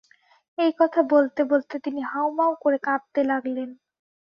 এই কথা বলতে-বলতে তিনি হাউমাউ করে কাঁদতে লাগলেন।